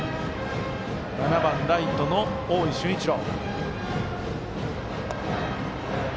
７番ライトの大井駿一郎。